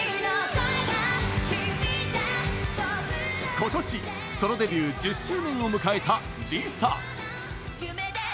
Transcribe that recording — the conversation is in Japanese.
ことしソロデビュー１０周年を迎えたＬｉＳＡ。